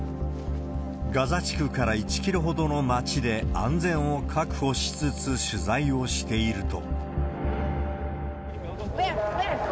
ガザ地区から１キロほどの町で安全を確保しつつ、取材をしていると。